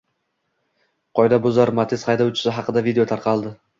Qoidabuzar Matiz haydovchisi haqida video tarqaldi.